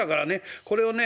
これをね